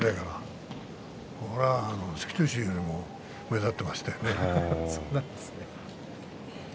関取衆よりも目立っていましたよね。